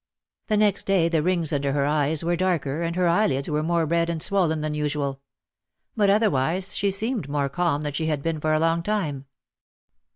The next day the rings under her eyes were darker, and her eyelids were more red and swollen than usual. But otherwise she seemed more calm than she had been for a long time.